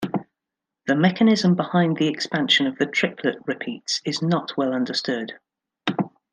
The mechanism behind the expansion of the triplet repeats is not well understood.